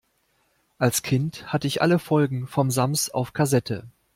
Als Kind hatte ich alle Folgen vom Sams auf Kassette.